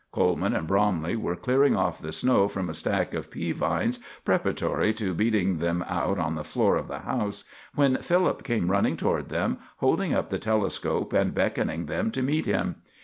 Coleman and Bromley were clearing off the snow from a stack of pea vines, preparatory to beating them out on the floor of the house, when Philip came running toward them, holding up the telescope and beckoning them to meet him.